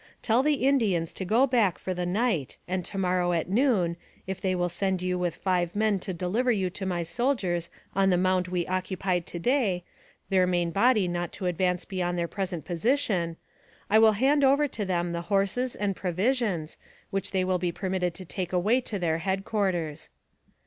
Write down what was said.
Tell the Indians to go back for the night, and to morrow at noon, if they will send you with five men to deliver you to my soldiers on the mound we occupied to day, their main body not to advance beyond their present position, I will hand over to them the horses and provisions, which they will be permitted to take away to their headquarters.